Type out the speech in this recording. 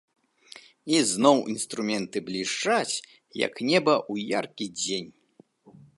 І зноў інструменты блішчаць, як неба ў яркі дзень.